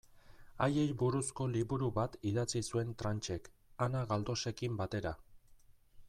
Haiei buruzko liburu bat idatzi zuen Tranchek, Ana Galdosekin batera.